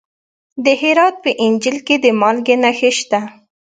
د هرات په انجیل کې د مالګې نښې شته.